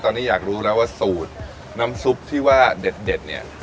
ตอนนี้อยากรู้แล้วว่าสูตรน้ำซุปที่ว่าเด็ดเนี่ย